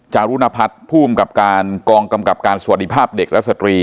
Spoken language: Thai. จารุณพัฒน์ผู้อำกับการกองกำกับการสวัสดีภาพเด็กและสตรี